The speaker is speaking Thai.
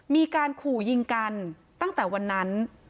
มีการขู่ยิงกันตั้งแต่วันนั้น